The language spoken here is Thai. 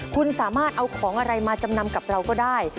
คุณสามารถเอาของอะไรมาจำนำกับเราก็ได้